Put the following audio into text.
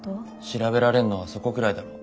調べられんのはそこくらいだろ。